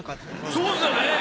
そうですよね！